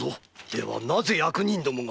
ではなぜ役人どもが？